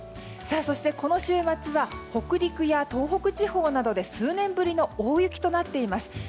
そしてこの週末は北陸や東北地方などで数年ぶりの大雪となっています。